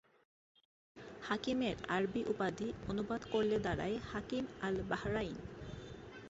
হাকিমের আরবি উপাধি অনুবাদ করলে দাড়ায় হাকিম আল-বাহরাইন।